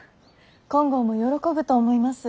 金剛も喜ぶと思います。